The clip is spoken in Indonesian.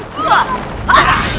tidak ada apa apa